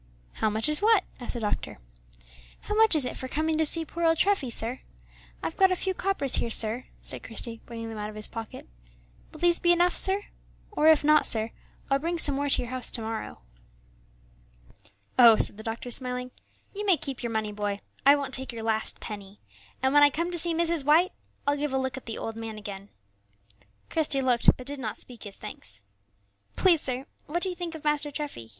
"How much is what?" asked the doctor. "How much is it for coming to see poor old Treffy, sir? I've got a few coppers here, sir," said Christie, bringing them out of his pocket; "will these be enough, sir? or, if not, sir, I'll bring some more to your house to morrow." "Oh," said the doctor, smiling, "you may keep your money, boy; I won't take your last penny, and when I come to see Mrs. White I'll give a look at the old man again." Christie looked, but did not speak his thanks. "Please, sir, what do you think of Master Treffy?"